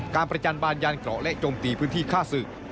ประจันบานยานเกราะและจมตีพื้นที่ฆ่าศึก